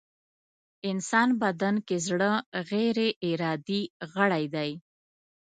انسان بدن کې زړه غيري ارادې غړی دی.